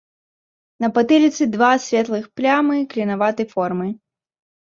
На патыліцы два светлых плямы клінаватай формы.